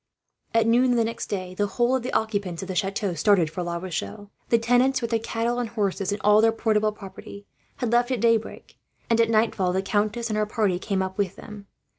At noon the next day, the whole of the occupants of the chateau started for La Rochelle. The tenants, with their cattle and horses and all their portable property, had left at daybreak; and at nightfall the countess and her party came up with them.